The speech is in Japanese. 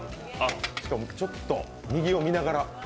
しかも、ちょっと右を見ながら。